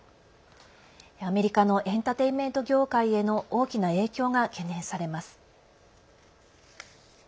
アメリカのエンターテインメント業界への大きな影響が懸念されます。